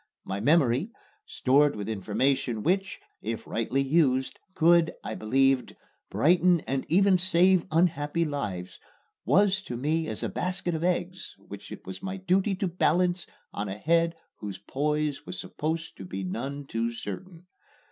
My memory, stored with information which, if rightly used, could, I believed, brighten and even save unhappy lives, was to me as a basket of eggs which it was my duty to balance on a head whose poise was supposed to be none too certain.